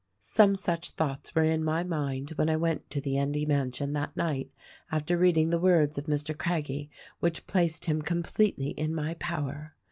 "Some such thoughts were in my mind when I went to the Endy mansion that night after reading the words of Mr. Craggie which placed him completely in my power.